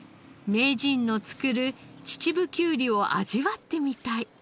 名人の作る秩父きゅうりを味わってみたい。